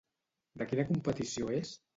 De quina competició és?